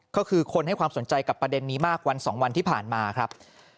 ก็คือคนให้ความสนใจกับประเด็นนี้มากวัน๒วันที่ผ่านมาครับ